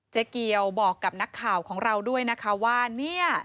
เกี่ยวบอกกับนักข่าวของเราด้วยนะคะว่าเนี่ย